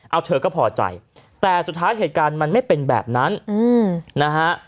เอาเธอก็พอใจแต่สุดท้ายเหตุการณ์มันไม่เป็นแบบนั้นนะฮะ